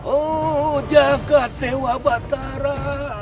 oh jaga tewa batara